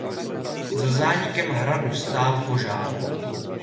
Za zánikem hradu stál požár.